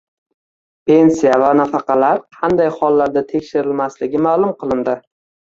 Pensiya va nafaqalar qanday hollarda tekshirilmasligi ma'lum qilindi